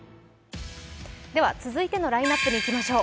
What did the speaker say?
続いてのラインナップにいきましょう。